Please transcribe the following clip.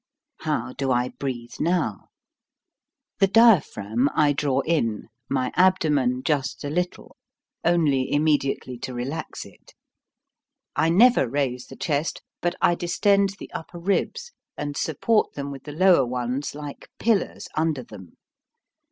How do I breathe now ? The diaphragm I draw in, my abdomen just a little, only immediately to relax it. I never raise the chest, but I distend the upper ribs and support them with the lower ones like pillars under them.